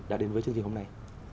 đã đến với chương trình hôm nay